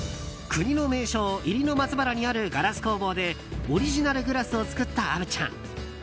国の名勝、入野松原にあるガラス工房でオリジナルグラスを作った虻ちゃん。